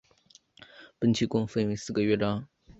本曲共分为四个乐章。